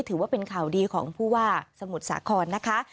ถือว่าเป็นข่าวดีของผู้ว่าสมุทรสาครนะคะ